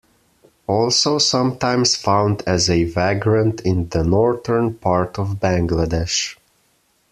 Also sometimes found as a vagrant in the northern part of Bangladesh.